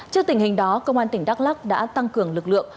trước tình hình đó công an tỉnh đắk lắc đã tăng cường lực lượng